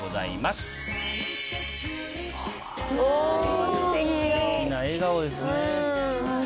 すてきな笑顔ですね。